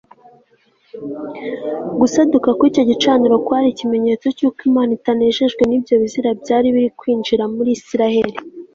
Gusaduka kwicyo gicaniro kwari ikimenyetso cyuko Imana itanejejwe nibyo bizira byari biri kwinjizwa muri Isirayeli